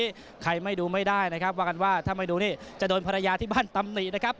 วันนี้ใครไม่ดูไม่ได้นะครับว่ากันว่าถ้าไม่ดูนี่จะโดนภรรยาที่บ้านตำหนินะครับ